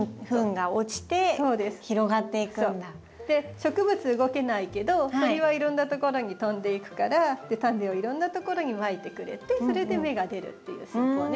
植物動けないけど鳥はいろんなところに飛んでいくからタネをいろんなところにまいてくれてそれで芽が出るっていう戦法ね。